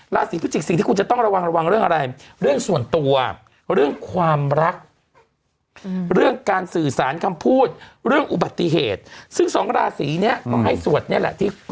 ดูดีก็มาเรื่องแฉน่ะนะครับเอาเร็วยังไงต่อ